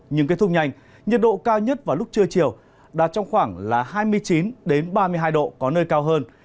nhưng kết thúc nhanh nhiệt độ cao nhất vào lúc trưa chiều đạt trong khoảng là hai mươi chín ba mươi hai độ có nơi cao hơn